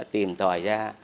tìm tòi ra